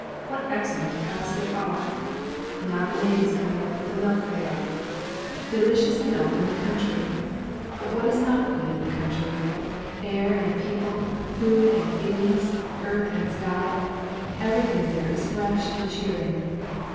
What excellent cows they are! Now the maid is coming up with the milk pail. Delicious milk in the country! But what is not good in the country? Air and people, food and feelings, earth and sky, everything there is fresh and cheering.